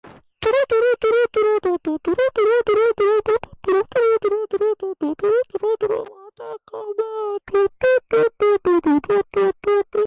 Esta vez, el príncipe Goro vuelve a ser derrotado a manos de Liu Kang.